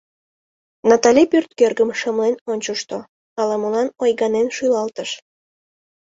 Натали пӧрт кӧргым шымлен ончышто, ала-молан ойганен шӱлалтыш.